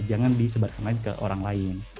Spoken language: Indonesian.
jangan disebarkan lagi ke orang lain